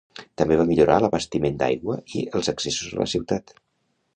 També va millorar l'abastiment d'aigua i els accessos a la ciutat.